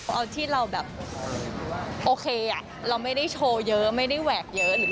เอาที่เราแบบโอเคเราไม่ได้โชว์เยอะไม่ได้แหวกเยอะ